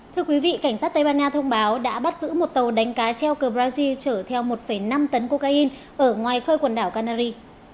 thưa quý vị cảnh sát tây ban nha thông báo đã bắt giữ một tàu đánh cá treo cờ brazil chở theo một năm tấn cocaine ở ngoài khơi quần đảo canary